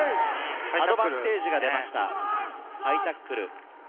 アドバンテージが出ました、ハイタックル。